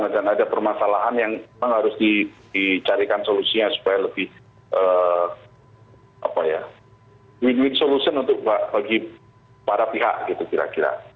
dan ada permasalahan yang harus dicarikan solusinya supaya lebih win win solution untuk bagi para pihak gitu kira kira